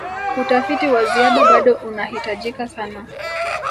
utafiti wa ziada bado unahitajika sana